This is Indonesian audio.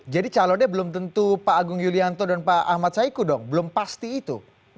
jadi calonnya belum tentu pak agung yulianto dan pak ahmad saiku dong belum pasti itu